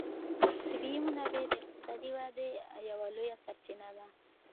طبیعي منابع د اقتصادي ودې یوه لویه سرچینه ده.